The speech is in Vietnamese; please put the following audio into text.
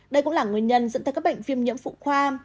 đây cũng là nguyên nhân dẫn tới các bệnh phim nhiễm phụ khoa